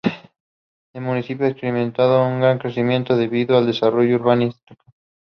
The fight begins the next day and the two finally collide.